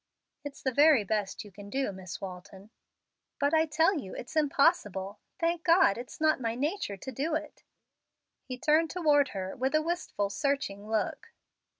"It's the very best you can do, Miss Walton." "But I tell you it's impossible. Thank God, it's not my nature to do it!" He turned toward her with a wistful, searching look.